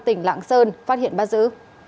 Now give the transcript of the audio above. tỉnh lạng sơn phát hiện bắt giữ